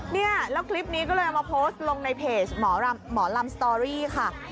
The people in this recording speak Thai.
เนี่ยแล้วคลิปนี้ก็เลยเอามาโพสต์ลงในเพจหมอลำสตอรี่ค่ะ